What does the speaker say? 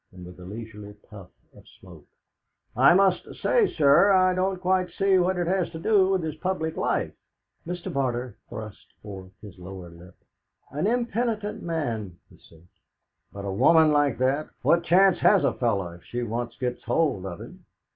And with a leisurely puff of smoke: "I must say, sir, I don't quite see what it has to do with his public life." Mr. Barter thrust forth his lower lip. "An impenitent man," he said. "But a woman like that! What chance has a fellow if she once gets hold of him?"